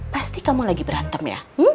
pasti kamu lagi berantem ya